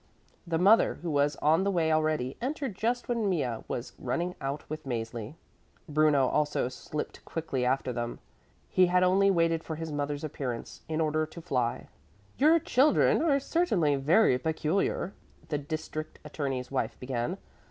The mother, who was on the way already, entered just when Mea was running out with Mäzli. Bruno also slipped quickly after them. He had only waited for his mother's appearance in order to fly. "Your children are certainly very peculiar," the district attorney's wife began.